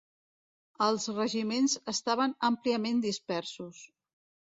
Els regiments estaven àmpliament dispersos.